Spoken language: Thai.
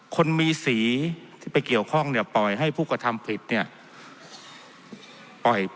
คนมีสีที่ไปเกี่ยวข้องเนี่ยปล่อยให้ผู้กระทำผิดเนี่ย